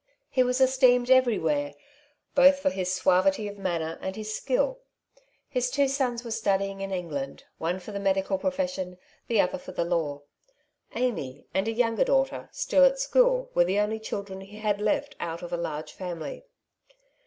He was esteemed every where, both for his suavity of manner and Ids skill. His two sons were studying in England, one for the medical profession, the other for the law. Amy, and a younger daughter, still at school, were the only children he had left out of a large family.